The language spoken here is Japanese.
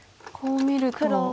こう見ると。